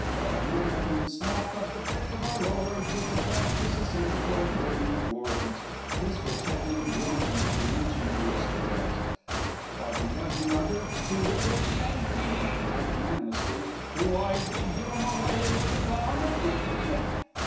_) Fair Americans snap up the pick of our Lords. It's a practice a sensible Briton applords. [This will check any groaning at the mention of Aristocrats. Far from grudging our Dooks to the pretty Yan kee, (Magnanimously) Why, we'd give 'em away with a Pound of Tea!